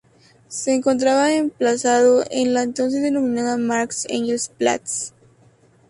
Se encontraba emplazado en la entonces denominada "Marx-Engels-Platz".